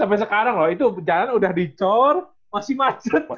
sampai sekarang loh itu jalan udah dicor masih macet